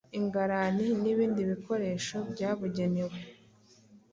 ingarani n’ibindi bikoresho byabugenewe